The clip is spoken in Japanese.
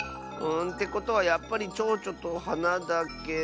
てことはやっぱりちょうちょとはなだけど。